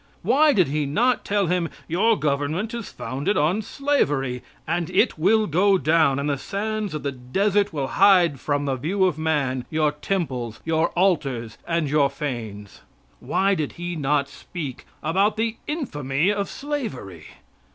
Why did he not tell him, "Your government is founded on slavery, and it will go down, and the sands of the desert will hide from the view of man your temples, your altars, and your fanes?" Why did he not speak about the infamy of slavery?